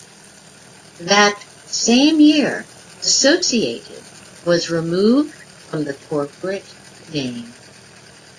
That same year, "Associated" was removed from the corporate name.